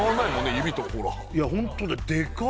指とほらいやホントだでかっ！